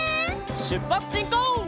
しゅっぱつしんこう！